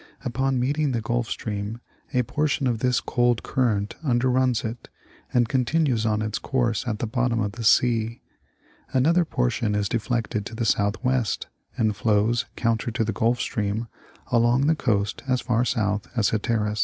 Upon meeting the Gulf Stream, a portion of this cold current underruns it, and continues on its course at the bottom of the sea ; another portion is deflected to the southwest, and flows, counter to the Gulf Stream, along the coast as far south as Hatteras.